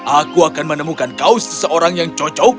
aku akan menemukan kaus seseorang yang cocok